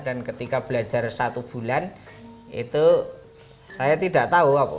dan ketika belajar satu bulan itu saya tidak tahu apa